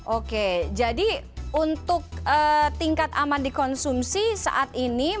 oke jadi untuk tingkat aman dikonsumsi saat ini